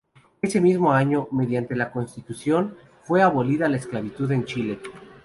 Ese mismo año, mediante la Constitución, fue abolida la esclavitud en Chile.